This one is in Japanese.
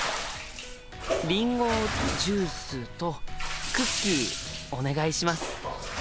りんごジュースとクッキーお願いします。